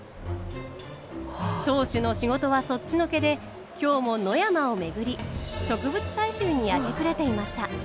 当主の仕事はそっちのけで今日も野山を巡り植物採集に明け暮れていました。